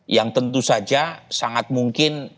yang tentu saja sangat mungkin